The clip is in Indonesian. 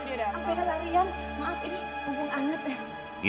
maaf ini punggung anet